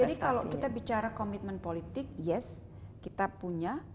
jadi kalau kita bicara komitmen politik yes kita punya